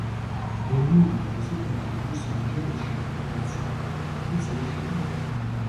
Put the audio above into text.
დევნილი პრეზიდენტი ლოს-ანჯელესში გარდაიცვალა ათი წლის შემდეგ.